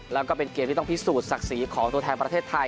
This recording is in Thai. แล้วก็เป็นเกมที่ต้องพิสูจนศักดิ์ศรีของตัวแทนประเทศไทย